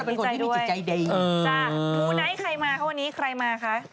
ใครดีใจด้วยมูนไนท์ใครมาพอวันนี้ใครมาค่ะ